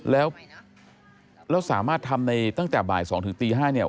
แล้วสามารถทำตั้งแต่บ่าย๒๕นี่